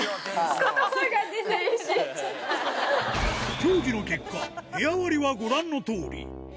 協議の結果、部屋割りはご覧のとおり。